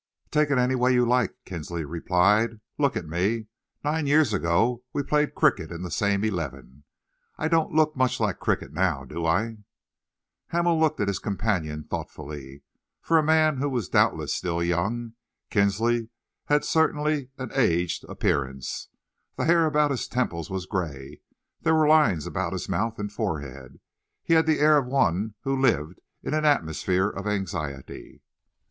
"Take it any way you like," Kinsley replied. "Look at me. Nine years ago we played cricket in the same eleven. I don't look much like cricket now, do I?" Hamel looked at his companion thoughtfully. For a man who was doubtless still young, Kinsley had certainly an aged appearance. The hair about his temples was grey; there were lines about his mouth and forehead. He had the air of one who lived in an atmosphere of anxiety.